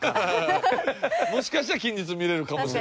もしかしたら近日見られるかもしれません。